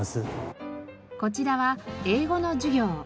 こちらは英語の授業。